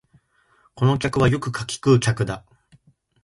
この客はよく柿食う客だ